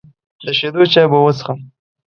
د شیدو چای به وڅښم.